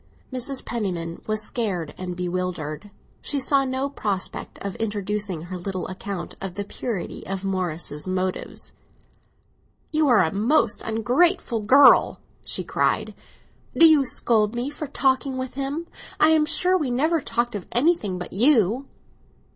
Mrs. Penniman was scared and bewildered; she saw no prospect of introducing her little account of the purity of Morris's motives. "You are a most ungrateful girl!" she cried. "Do you scold me for talking with him? I am sure we never talked of anything but you!"